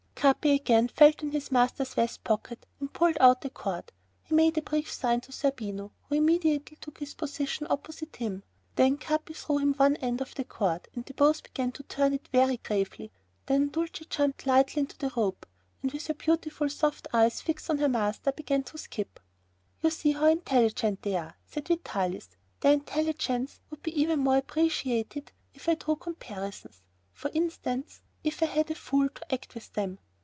Capi again felt in his master's vest pocket and pulled out a cord. He made a brief sign to Zerbino, who immediately took his position opposite to him. Then Capi threw him one end of the cord and they both began to turn it very gravely. Then Dulcie jumped lightly into the rope and with her beautiful soft eyes fixed on her master, began to skip. "You see how intelligent they are," said Vitalis; "their intelligence would be even more appreciated if I drew comparisons. For instance, if I had a fool to act with them.